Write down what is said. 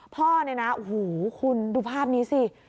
พ่อเนี่ยนะโอ้โหคุณดูภาพนี้สิ